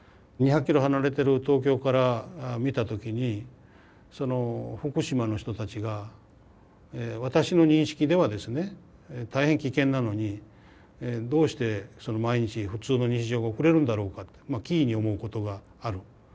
２００キロ離れてる東京から見た時に福島の人たちが私の認識ではですね大変危険なのにどうして毎日普通の日常が送れるんだろうかって奇異に思うことがある。